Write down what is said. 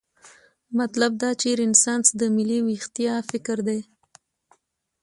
مطلب دا چې رنسانس د ملي ویښتیا فکر دی.